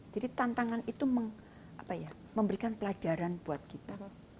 jadi tantangan itu memberikan pelajaran buat kita